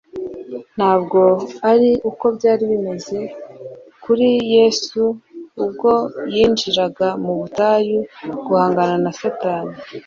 Ntabwo ari uko byari bimeze kuri Yesu ubwo yinjiraga mu butayu guhangana na Satani.